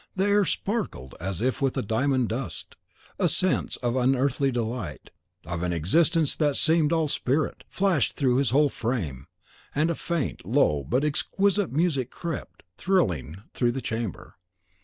The air sparkled as if with a diamond dust. A sense of unearthly delight, of an existence that seemed all spirit, flashed through his whole frame; and a faint, low, but exquisite music crept, thrilling, through the chamber.